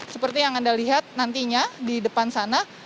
seperti yang anda lihat nantinya di depan sana